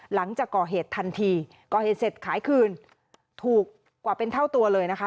หลังจากก่อเหตุทันทีก่อเหตุเสร็จขายคืนถูกกว่าเป็นเท่าตัวเลยนะคะ